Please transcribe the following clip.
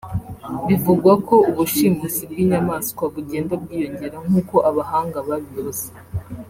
Bivugwa ko ubushimusi bw’inyamaswa bugenda bwiyongera nk’uko abahanga babivuze